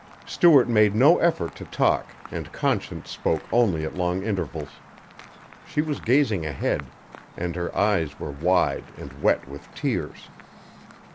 Stuart made no effort to talk and Conscience spoke only at long intervals. She was gazing ahead and her eyes were wide and wet with tears.